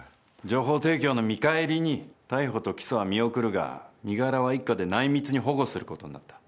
情報提供の見返りに逮捕と起訴は見送るが身柄は一課で内密に保護することになった